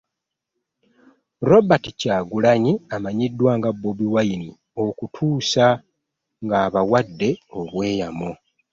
Robert Kyagulanyi amanyiddwa nga Bobi Wine okutuusa nga abawadde obweyamo